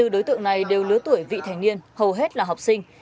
hai mươi bốn đối tượng này đều lứa tuổi vị thanh niên hầu hết là học sinh